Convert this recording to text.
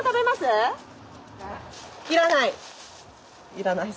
要らない？